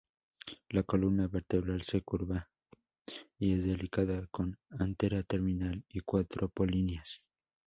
La columna vertebral se curva y es delicada, con antera terminal y cuatro polinias.